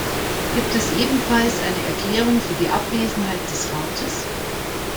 Gibt es ebenfalls eine Erklärung für die Abwesenheit des Rates?